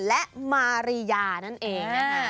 และมารียานั่นเอง